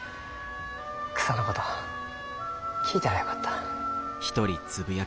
草のこと聞いたらよかった。